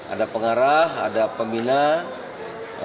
ada pengarah ada pembina